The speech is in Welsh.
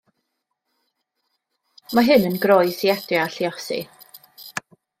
Mae hyn yn groes i adio a lluosi.